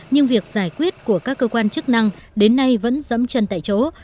nhưng việc giải quyết của các cơ quan chức năng đến nay vẫn dẫm chân tại chỗ